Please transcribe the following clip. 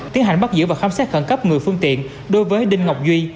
tiến hành bắt giữ và khám xét khẩn cấp người phương tiện đối với đinh ngọc duy